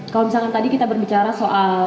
kalau misalkan tadi kita berbicara soal